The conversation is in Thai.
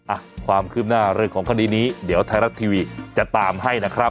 อ่ะความคืบหน้าเรื่องของคดีนี้เดี๋ยวไทยรัฐทีวีจะตามให้นะครับ